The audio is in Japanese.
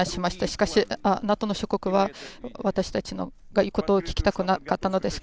しかしＮＡＴＯの諸国は私たちの言うことを聞きたくなかったのです。